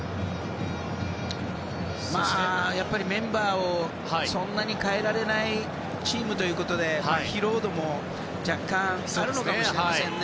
メンバーをそんなに代えられないチームということで疲労度も若干あるのかもしれませんね。